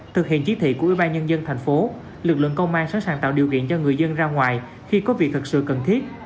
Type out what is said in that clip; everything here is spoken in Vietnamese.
thực hiện chỉ thị của ủy ban nhân dân thành phố lực lượng công an sẵn sàng tạo điều kiện cho người dân ra ngoài khi có việc thật sự cần thiết